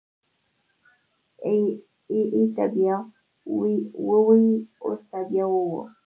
ای ای ته بيا ووی اوس ته بيا ووی.